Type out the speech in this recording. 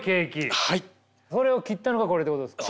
それを切ったのがこれってことですか。